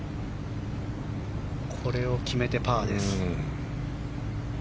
これを決めてパーです。